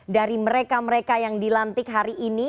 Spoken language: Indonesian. dari mereka mereka yang dilantik hari ini